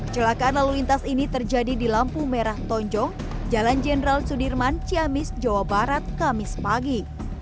celakaan lalu lintas ini terjadi di lampu merah tonjong jalan jenderal sudirman ciamis jawa barat kamis pagi